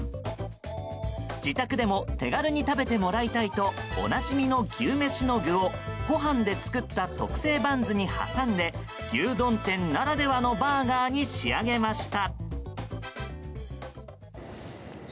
自宅でも手軽に食べてもらいたいとおなじみの牛めしの具をご飯で作った特製バンズに挟んで牛丼店ならではのバーガーに仕上げました。